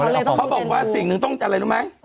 เขาเลยต้องป้องกันก่อนเขาบอกว่าสิ่งหนึ่งต้องอะไรรู้ไหม